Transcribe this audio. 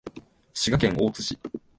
滋賀県大津市